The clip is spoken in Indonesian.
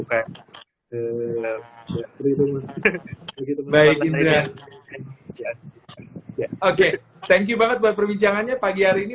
oke terima kasih banget buat perbincangannya pagi hari ini